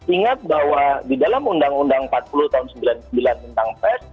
ingat bahwa di dalam undang undang empat puluh tahun sembilan puluh sembilan tentang pers